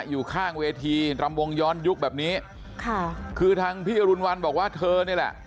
อยู่ข้างเวทีรำวงย้อนยุคแบบนี้ค่ะคือทางพี่อรุณวันบอกว่าเธอนี่แหละ